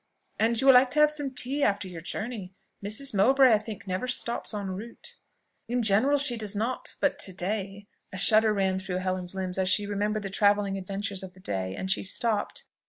"And you will like to have some tea after your journey. Mrs. Mowbray, I think, never stops en route?" "In general she does not; but to day " a shudder ran through Helen's limbs as she remembered the travelling adventures of the day, and she stopped.